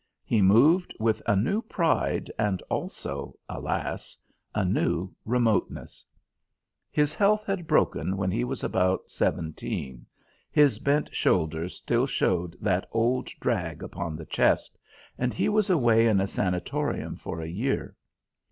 He moved with a new pride, and also alas! a new remoteness. His health had broken when he was about seventeen his bent shoulders still showed that old drag upon the chest and he was away in a sanatorium for a year.